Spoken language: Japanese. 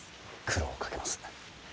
苦労をかけます。